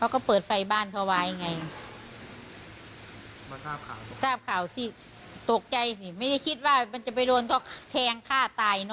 เขาคิดว่ามันจะไปโดนเขาแทงฆ่าตายเนอะ